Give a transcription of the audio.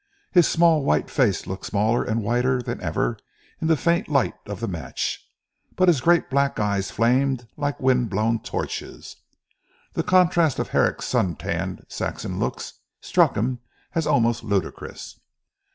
His small white face looked smaller and whiter than ever in the faint light of the match; but his great black eyes flamed like wind blown torches. The contrast of Herrick's sun tanned Saxon looks, struck him as almost ludicrous.